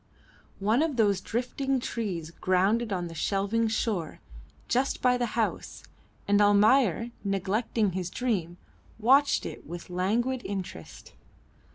One of those drifting trees grounded on the shelving shore, just by the house, and Almayer, neglecting his dream, watched it with languid interest.